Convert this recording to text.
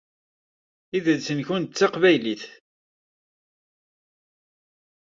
Idles-nkent d taqbaylit.